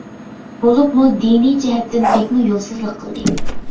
بولۇپمۇ دىنىي جەھەتتىن بەكمۇ يولسىزلىق قىلدى.